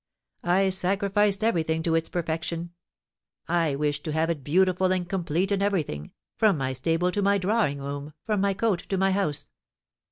I sacrificed everything to its perfection. I wished to have it beautiful and complete in everything, from my stable to my drawing room, from my coat to my house.